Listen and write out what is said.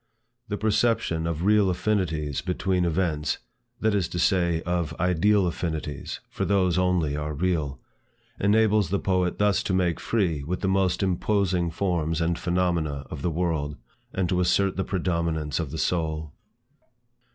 The perception of real affinities between events, (that is to say, of ideal affinities, for those only are real,) enables the poet thus to make free with the most imposing forms and phenomena of the world, and to assert the predominance of the soul.